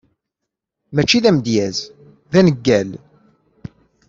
Mačči d amedyaz, d aneggal.